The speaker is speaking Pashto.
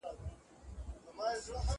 لکه ازاره، خپله کونه ئې نظر کړه.